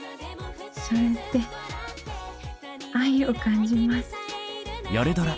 それって愛を感じます。